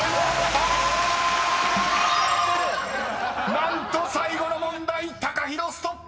［何と最後の問題ＴＡＫＡＨＩＲＯストップ］